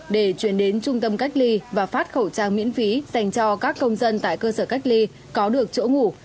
để chuyển đến trung tâm cách ly và phát khẩu trang miễn phí dành cho các công dân tại cơ sở cách ly có được chỗ ngủ